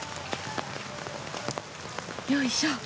よいしょ。